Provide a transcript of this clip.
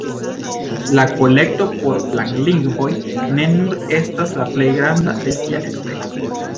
La Kolekto por Planlingvoj ne nur estas la plej granda de sia speco.